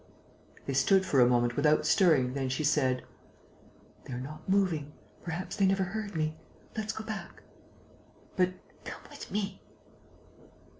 They stood for a moment without stirring; then she said: "They are not moving.... Perhaps they never heard me.... Let's go back...." "But...." "Come with me."